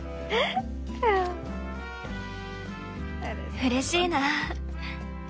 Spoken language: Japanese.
うれしいな。